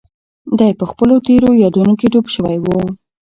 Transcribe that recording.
دی په خپلو تېرو یادونو کې ډوب شوی و.